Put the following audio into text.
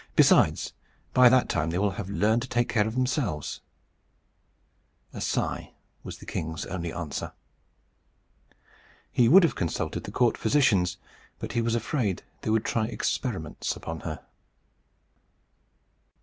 "Besides, by that time they will have learned to take care of themselves." A sigh was the king's only answer. He would have consulted the court physicians; but he was afraid they would try experiments upon her. VI.